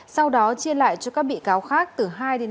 sau đó chia lại cho các bị cáo khác từ hai ba